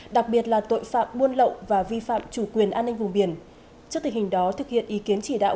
đặc biệt là tội phạm buôn lậu và vi phạm chủ quyền an ninh vùng biển trước tình hình đó thực hiện ý kiến chỉ đạo